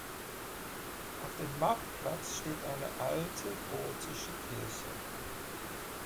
Auf dem Marktplatz steht eine alte gotische Kirche.